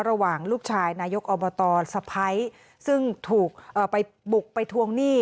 ระหว่างลูกชายนายกอบตสะพ้ายซึ่งถูกไปบุกไปทวงหนี้